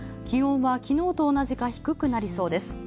気温はきのうと同じで低くなりそうです。